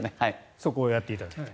そこをやっていただいて。